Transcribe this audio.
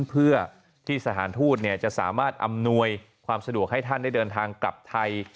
เพื่อที่สถานทูตจะสามารถอำนวยความสะดวกให้ท่านได้เดินทางกลับไทย